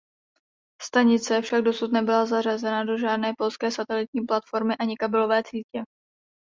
Stanice však dosud nebyla zařazena do žádné polské satelitní platformy ani kabelové sítě.